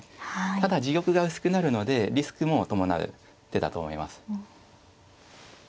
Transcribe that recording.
ただ自玉が薄くなるのでリスクも伴う手だと思います。